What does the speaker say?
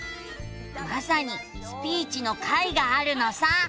まさに「スピーチ」の回があるのさ。